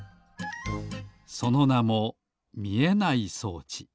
そのなもみえない装置。